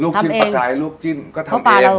ลูกชิ้นปลากายลูกจิ้มก็ทำเอง